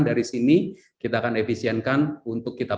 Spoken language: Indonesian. dari sini kita akan efisienkan untuk kita